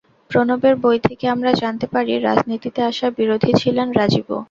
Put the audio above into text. প্রণবের বই থেকে আমরা জানতে পারি, রাজনীতিতে আসার বিরোধী ছিলেন রাজীবও।